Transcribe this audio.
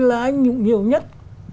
là anh nhiều nhất